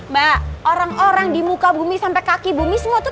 mbak orang orang di muka bumi sampai kaki bumi semua tuh